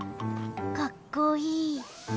かっこいい。